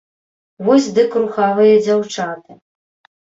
Вось дык рухавыя дзяўчаты.